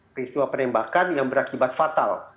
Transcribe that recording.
peristiwa penembakan yang berakibat fatal